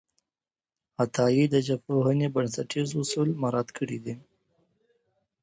عطایي د ژبپوهنې بنسټیز اصول مراعت کړي دي.